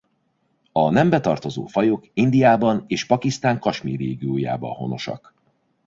A nembe tartozó fajok Indiában és Pakisztán Kasmír régiójában honosak.